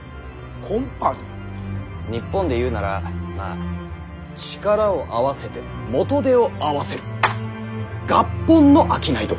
日本で言うならまあ力を合わせて元手を合わせる合本の商い所。